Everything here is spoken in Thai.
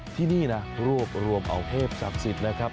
ที่นี่นะรวบรวมเอาเทพศักดิ์สิทธิ์นะครับ